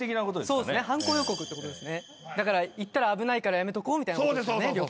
犯行予告ってことですねだから行ったら危ないからやめとこうみたいなことですよね